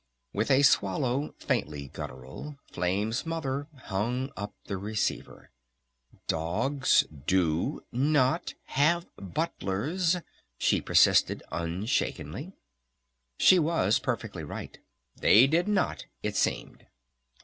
With a swallow faintly guttural Flame's Mother hung up the receiver. "Dogs do not have butlers," she persisted unshakenly. She was perfectly right. They did not, it seemed.